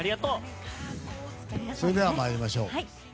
それでは参りましょう。